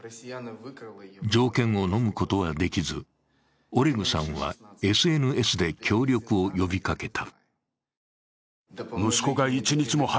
条件を飲むことはできずオレグさんはＳＮＳで協力を呼びかけた。